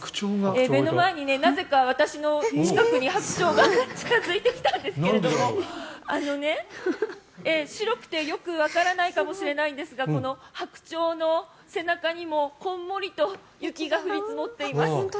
目の前に、なぜか私の近くにハクチョウが近付いてきたんですけど白くて、よくわからないかもしれないんですがハクチョウの背中にもこんもりと雪が降り積もっています。